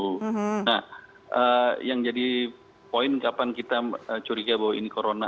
nah yang jadi poin kapan kita curiga bahwa ini corona